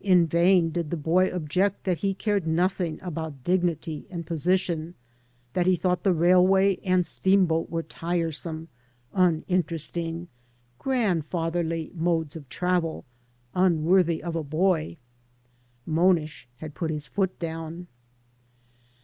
In vain did the boy 87 AN AMERICAN IN THE MAKING object that he cared nothing about dignity and position, that he thought the railway and steamboat were tire some, uninteresting, grandfatherly modes of travel, unworthy of a boy. Monish had put his foot down.